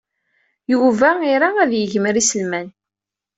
Yuba ira ad yegmer iselman.